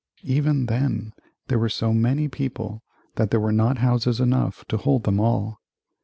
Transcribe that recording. Even then there were so many people that there were not houses enough to hold them all.